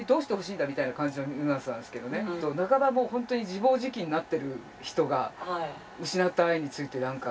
半ばもうほんとに自暴自棄になってる人が失った愛についてなんか。